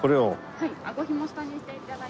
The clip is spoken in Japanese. はい。